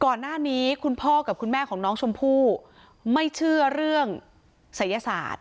ก่อนหน้านี้คุณพ่อกับคุณแม่ของน้องชมพู่ไม่เชื่อเรื่องศัยศาสตร์